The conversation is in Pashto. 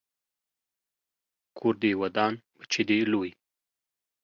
کور دې ودان، بچی دې لوی